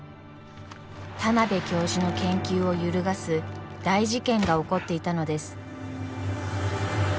田邊教授の研究を揺るがす大事件が起こっていたのです。